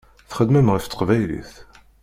Txeddmem ɣef teqbaylit.